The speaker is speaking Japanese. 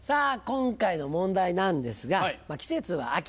今回の問題なんですが季節は秋。